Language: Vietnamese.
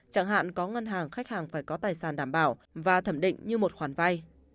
chẳng hạn có ngân hàng khách hàng phải có tài sản đảm bảo và thẩm định như một khoản vay